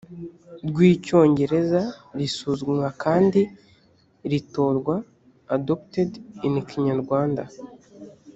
rw icyongereza risuzumwa kandi ritorwa adopted in kinyarwanda